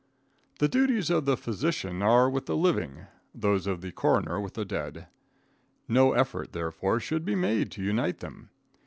The duties of the physician are with the living, those of the coroner with the dead. No effort, therefore, should be made to unite them.